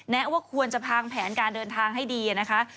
ว่าควรจะพังแผนการเดินทางให้ดีนะคะ